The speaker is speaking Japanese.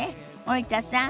森田さん